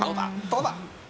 どうだ？